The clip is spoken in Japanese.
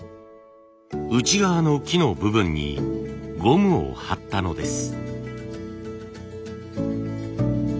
内側の木の部分にゴムをはったのです。